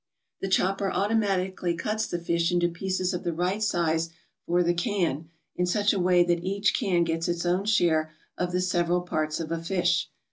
The chopper automatically cuts the fish into pieces of the right size for the can in such a way that each can gets its own share of the several parts, of a fish.